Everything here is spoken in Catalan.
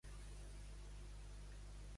Polla setembrina mai és gallina.